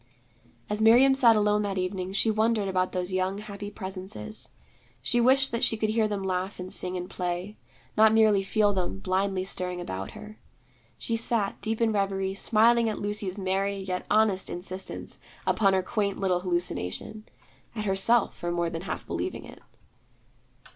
As Miriam sat alone that evening, she wondered about those young happy presences. She wished that she could hear them laugh and sing and play; not merely feel them blindly stirring about her. She sat, deep in reverie, smiling at Lucy's merry yet honest insistence upon her quaint little hallucination, at herself for more than half believing it.